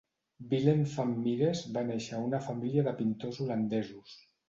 Willem van Mieris va néixer a una família de pintors holandesos.